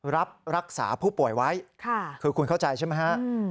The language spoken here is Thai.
รับรักษาผู้ป่วยไว้คือคุณเข้าใจใช่ไหมฮะ